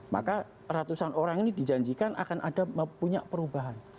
maka ratusan orang ini dijanjikan akan ada punya perubahan